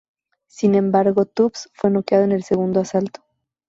Sin embargo, Tubbs fue noqueado en el segundo asalto.